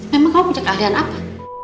memang kamu punya keahlian apa